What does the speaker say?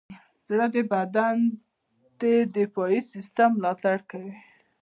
زړه د بدن د دفاعي سیستم ملاتړ کوي.